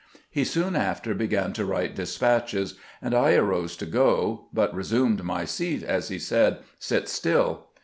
He soon after began to write despatches, and I arose to go, but resumed my seat as he said, " Sit still."